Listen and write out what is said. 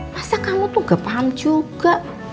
masa kamu tuh gak paham juga